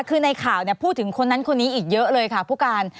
คือในข่าวพูดถึงคนนั้นคนนี้อีกเยอะเลยค่ะผู้การ